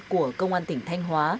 của công an tỉnh thanh hóa